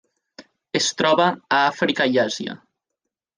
Es troba a Àfrica i Àsia.